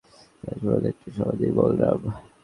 তাজমহল একটা সমাধি, বলরাম।